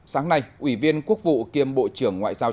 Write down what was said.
sáng nay ủy viên quốc vụ kiêm bộ trưởng ngoại giao chính phủ